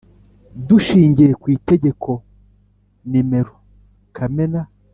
Dushingiye ku Itegeko N imero kamena